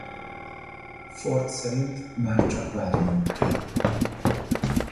Ford szerint már csak várniuk kell.